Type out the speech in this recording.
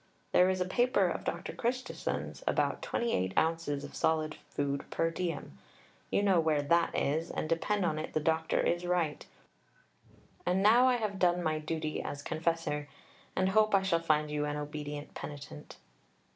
There is a paper of Dr. Christison's about 28 ounces of solid food per diem. You know where that is, and depend on it the Dr. is right.... And now I have done my duty as confessor, and hope I shall find you an obedient penitent."